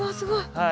はい。